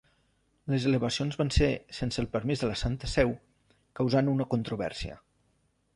Les elevacions van ser sense el permís de la Santa Seu, causant una controvèrsia.